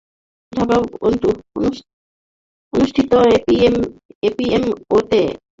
ঢাকায় অনুষ্ঠিত এপিএমওতে সারা দেশ থেকে আসা প্রাক-বিশ্ববিদ্যালয় পর্যায়ের শিক্ষার্থীরা অংশ নেন।